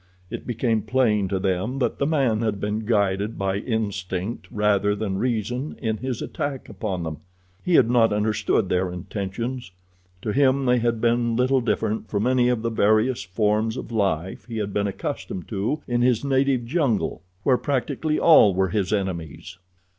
It became plain to them that the man had been guided by instinct rather than reason in his attack upon them. He had not understood their intentions. To him they had been little different from any of the various forms of life he had been accustomed to in his native jungle, where practically all were his enemies.